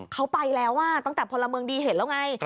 เขาไปแล้วตั้งแต่พลเมืองดีเห็นแล้วไง